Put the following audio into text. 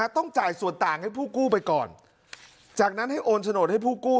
ต้องจ่ายส่วนต่างให้ผู้กู้ไปก่อนจากนั้นให้โอนโฉนดให้ผู้กู้